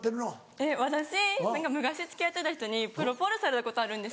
えっ私昔付き合ってた人にプロポーズされたことあるんです。